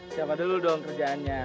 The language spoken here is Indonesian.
siapa dulu dong kerjaannya